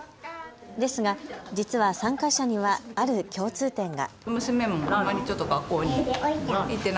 ですが実は参加者にはある共通点が。